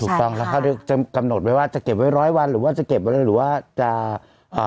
ถูกต้องแล้วก็จะกำหนดไว้ว่าจะเก็บไว้ร้อยวันหรือว่าจะเก็บไว้เลยหรือว่าจะอ่า